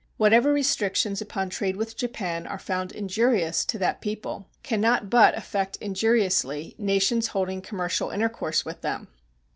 Whatever restrictions upon trade with Japan are found injurious to that people can not but affect injuriously nations holding commercial intercourse with them.